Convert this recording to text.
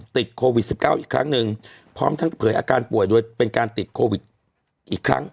ติดโควิด๑๙อีกครั้งหนึ่งพร้อมทั้งเผยอาการป่วยโดยเป็นการติดโควิดอีกครั้ง